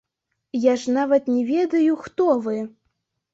Я ж нават не ведаю, хто вы.